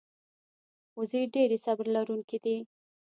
وزې ډېرې صبر لرونکې دي